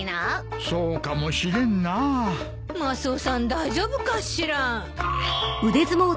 大丈夫かしら。